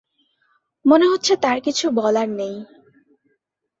মনে হচ্ছে তার কিছু বলার নেই।